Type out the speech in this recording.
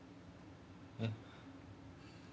えっ。